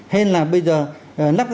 hay là bây giờ lắp